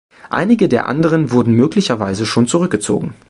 Einige der anderen wurden möglicherweise schon zurückgezogen.